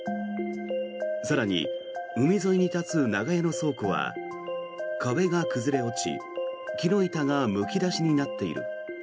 更に、海沿いに立つ長屋の倉庫は壁が崩れ落ち木の板がむき出しになっている。